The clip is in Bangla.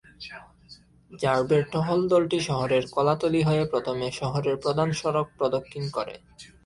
র্যাবের টহল দলটি শহরের কলাতলী হয়ে প্রথমে শহরের প্রধান সড়ক প্রদক্ষিণ করে।